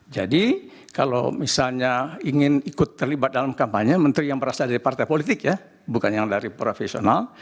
jadi kalau misalnya ingin ikut terlibat dalam kampanye menteri yang berasal dari partai politik ya bukan yang dari profesional